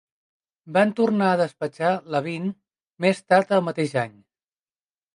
Van tornar a despatxar Labine més tard el mateix any.